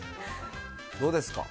どうですか。